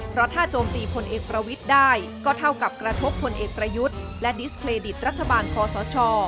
เพราะถ้าโจมตีพลเอกประวิทย์ได้ก็เท่ากับกระทบพลเอกประยุทธ์และดิสเครดิตรัฐบาลคอสช